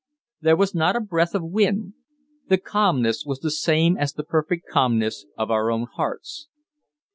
There was not a breath of wind. The calmness was the same as the perfect calmness of our own hearts.